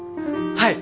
はい。